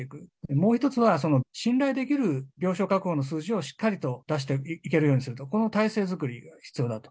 もう一つは、信頼できる病床確保の数字をしっかりと出していけるようにすると、この体制作りが必要だと。